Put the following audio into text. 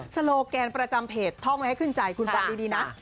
โลแกนประจำเพจท่องไว้ให้ขึ้นใจคุณฟังดีนะ